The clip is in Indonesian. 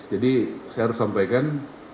jadi saya harus sampaikan